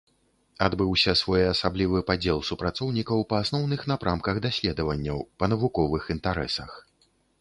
Адбыўся своеасаблівы падзел супрацоўнікаў па асноўных напрамках даследаванняў, па навуковых інтарэсах.